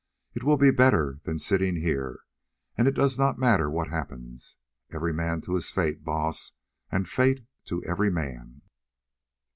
It will be better than sitting here, and it does not matter what happens. Every man to his fate, Baas, and fate to every man."